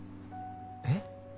えっ？